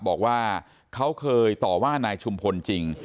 บอกว่าเขาเคยต่อว่านายชุมพลจริง